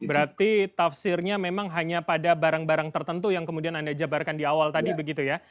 berarti tafsirnya memang hanya pada barang barang tertentu yang kemudian anda jabarkan di awal tadi begitu ya